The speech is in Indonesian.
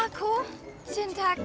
apapun yang terjadi